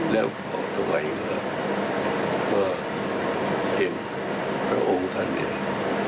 แล้วขอตะวัยเหลือว่าเป็นพระองค์ท่านเอง